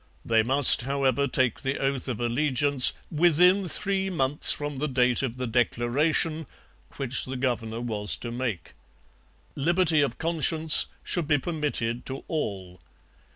They must, however, take the oath of allegiance 'within three months from the date of the declaration' which the governor was to make. Liberty of conscience should be permitted to all.